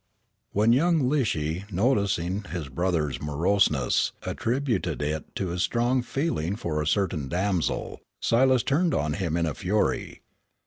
When young 'Lishy, noticing his brother's moroseness, attributed it to his strong feeling for a certain damsel, Silas turned on him in a fury.